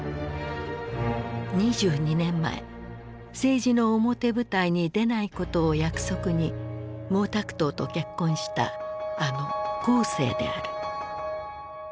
２２年前政治の表舞台に出ないことを約束に毛沢東と結婚したあの江青である。